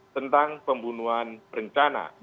tentang pembunuhan rencana